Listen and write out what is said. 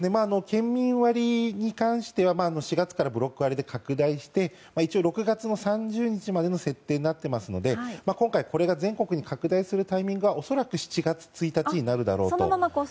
県民割に関しては４月からブロック割で拡大して、一応６月３０日までの設定になっているので今回、これが全国に拡大するタイミングは恐らく７月１日になるだろうと。